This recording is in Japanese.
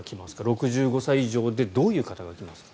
６５歳以上でどういう方が来ますか？